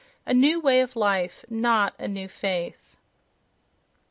—A new way of life, not a new faith....